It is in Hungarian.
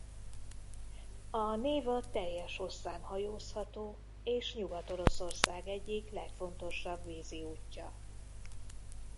A Néva teljes hosszán hajózható és Nyugat-Oroszország egyik legfontosabb vízi útja.